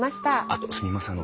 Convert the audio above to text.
あとすみません。